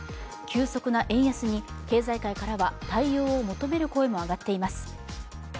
急速な円安に経済界からは対応を求める声も上がっています。